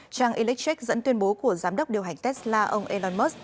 trang electrick dẫn tuyên bố của giám đốc điều hành tesla ông elon musk